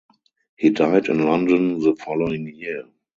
He died in London the following year.